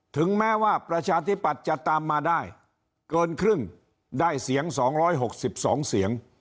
ถึงแม้ว่าประชาธิบัติจะตามมาได้เกินครึ่งได้เสียงสองร้อยหกสิบสองเสียง